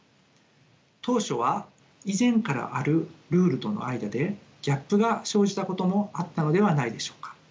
当初は以前からあるルールとの間でギャップが生じたこともあったのではないでしょうか？